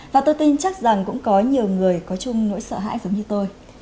và tôi tin chắc rằng cũng có nhiều người có chung nỗi sợ hãi giống như tôi